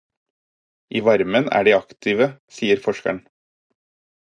I varmen er de aktive, sier forskeren.